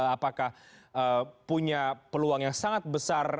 apakah punya peluang yang sangat besar